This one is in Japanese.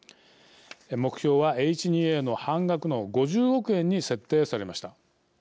目標はＨ２Ａの半額の５０億円に設定されました。